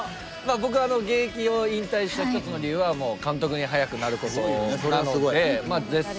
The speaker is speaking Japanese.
僕現役を引退した一つの理由は監督に早くなることなので絶賛